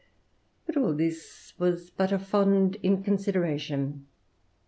But all this was but fond inconsideration.